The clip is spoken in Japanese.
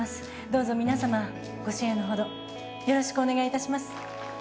どうぞ皆様、ご支援のほどよろしくお願いします。